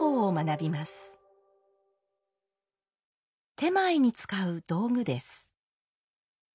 点前に使う道具です。